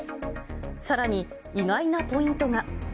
さらに、意外なポイントが。